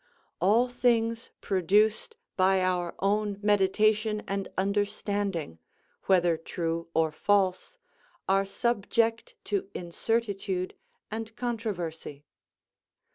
All things produced by our own meditation and understanding, whether true or false, are subject to incertitude and controversy.